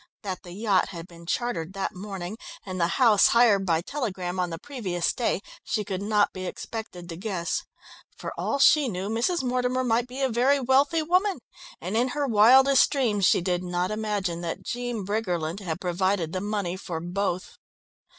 That the yacht had been chartered that morning and the house hired by telegram on the previous day, she could not be expected to guess. For all she knew, Mrs. Cole Mortimer might be a very wealthy woman, and in her wildest dreams she did not imagine that Jean Briggerland had provided the money for both.